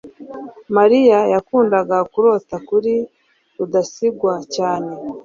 mariya yakundaga kurota kuri rudasingwa cyane